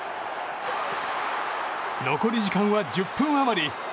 残り時間は１０分余り。